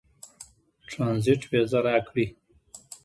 ټرنزیټ وېزه راکړي.